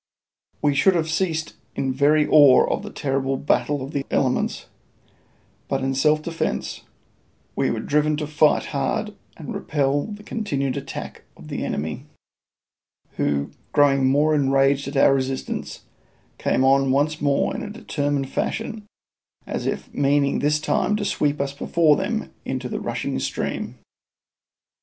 We should have ceased in very awe of the terrible battle of the elements, but in self defence we were driven to fight hard and repel the continued attacks of the enemy, who, growing more enraged at our resistance, came on once more in a determined fashion, as if meaning this time to sweep us before them into the rushing stream.